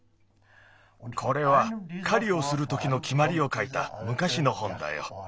これはかりをするときのきまりをかいたむかしの本だよ。